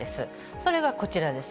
それがこちらです。